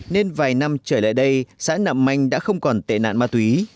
nên vài năm trở lại đây xã nạm manh đã không còn tệ nạn ma túy